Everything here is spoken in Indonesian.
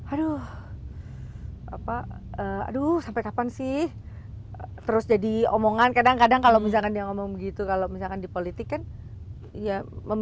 aduh apa aduh sampai kapan sih terus jadi omongan kadang kadang kalau misalkan dia ngomong gitu kalau misalkan di politik kan ya